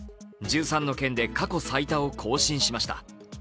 １３の県で過去最多を更新しました。